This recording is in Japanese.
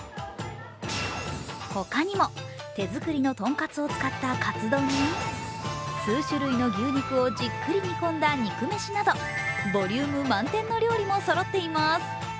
他にも手づくりの豚カツを使ったカツ丼に数種類の牛肉をじっくり煮込んだ肉めしなど、ボリューム満点の料理もそろっています。